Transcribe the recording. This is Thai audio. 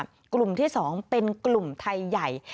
กลุ่มที่๒เป็นกลุ่มไทยใหญ่